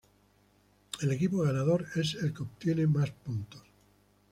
El equipo ganador es el que obtiene más puntos.